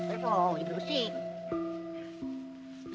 eh kok ini bersih